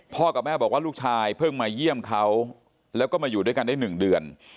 กับแม่บอกว่าลูกชายเพิ่งมาเยี่ยมเขาแล้วก็มาอยู่ด้วยกันได้๑เดือน